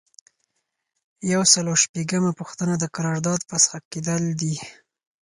یو سل او شپږمه پوښتنه د قرارداد فسخه کیدل دي.